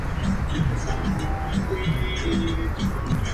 Fue director del Museo de Historia de Barcelona.